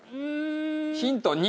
ヒント２。